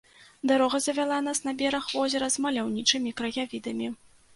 Дарога завяла нас на бераг возера з маляўнічымі краявідамі.